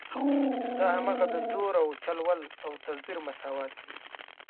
دا هماغه د زور او چل ول او تزویر مساوات دي.